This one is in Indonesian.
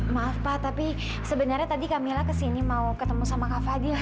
maaf pak tapi sebenarnya tadi camilla kesini mau ketemu sama kak fadil